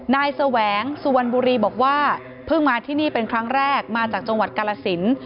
แสวงสุวรรณบุรีบอกว่าเพิ่งมาที่นี่เป็นครั้งแรกมาจากจังหวัดกาลสิน